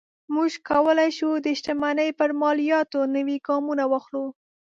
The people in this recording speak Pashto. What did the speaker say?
موږ کولی شو د شتمنۍ پر مالیاتو نوي ګامونه واخلو.